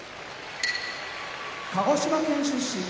鹿児島県出身